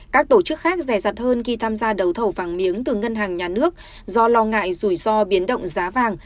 các tổ chức khác rẻ rặt hơn khi tham gia đấu thầu vàng miếng từ ngân hàng nhà nước do lo ngại rủi ro biến động giá vàng